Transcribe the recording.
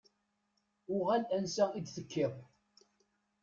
Uɣal ansa i d-tekkiḍ.